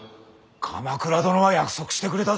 鎌倉殿は約束してくれたぜ。